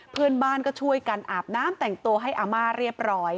เพื่อนบ้านก็ช่วยกันอาบน้ำแต่งตัวให้อาม่าเรียบร้อย